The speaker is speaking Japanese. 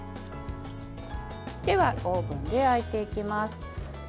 では、オーブンで焼いていきます。